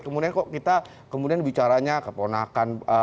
kemudian kok kita kemudian bicaranya keponakan